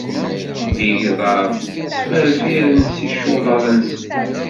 Igḍaḍ ttferfiren s yicuḍaḍ-nsen.